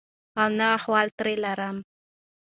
او نه احوال ترې لرم.